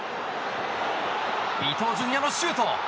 伊東純也のシュート！